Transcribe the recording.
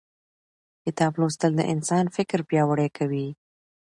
کتاب لوستل د انسان فکر پیاوړی کوي